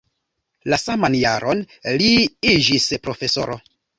La saman jaron li iĝis profesoro.